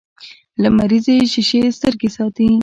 لمریزې شیشې سترګې ساتي